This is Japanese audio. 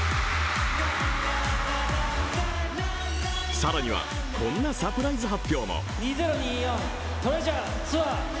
更には、こんなサプライズも。